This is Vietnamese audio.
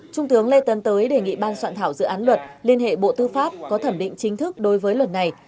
trung tướng lê tấn tới đề nghị ban soạn thảo dự án luật liên hệ bộ tư pháp có thẩm định chính thức đối với luật này